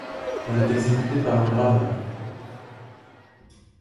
Elle est exécutée par un graveur.